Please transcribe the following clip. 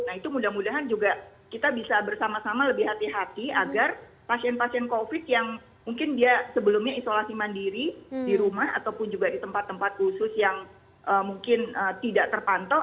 nah itu mudah mudahan juga kita bisa bersama sama lebih hati hati agar pasien pasien covid yang mungkin dia sebelumnya isolasi mandiri di rumah ataupun juga di tempat tempat khusus yang mungkin tidak terpantau